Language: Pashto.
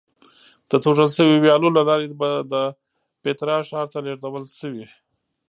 د توږل شویو ویالو له لارې به د پیترا ښار ته لېږدول شوې.